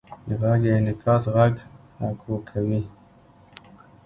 د غږ انعکاس غږ اکو کوي.